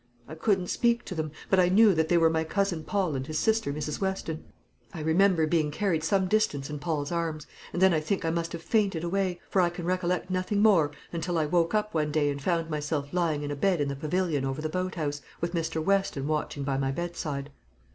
I couldn't speak to them; but I knew that they were my cousin Paul and his sister, Mrs. Weston. I remember being carried some distance in Paul's arms; and then I think I must have fainted away, for I can recollect nothing more until I woke up one day and found myself lying in a bed in the pavilion over the boat house, with Mr. Weston watching by my bedside.